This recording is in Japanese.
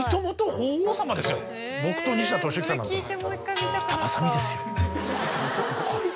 僕と西田敏行さんなんていうのは。